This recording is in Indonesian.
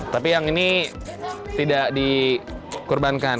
tapi yang ini tidak dikurbankan